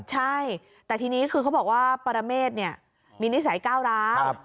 ใช่แต่ทีนี้คือเขาบอกว่าปรเมฆมีนิสัยก้าวร้าว